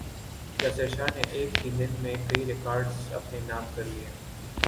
یاسر شاہ نے ایک ہی دن میں کئی ریکارڈز اپنے نام کر لیے